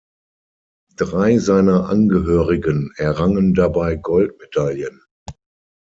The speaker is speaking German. Drei seiner Angehörigen errangen dabei Goldmedaillen.